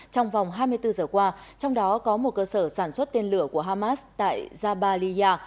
trong vòng hai mươi bốn giờ qua trong đó có một cơ sở sản xuất tên lửa của hamas tại jabaliya